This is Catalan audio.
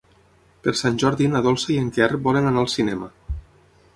Per Sant Jordi na Dolça i en Quer volen anar al cinema.